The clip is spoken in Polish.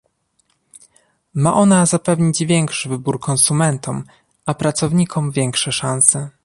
Ma ona zapewnić większy wybór konsumentom, a pracownikom większe szanse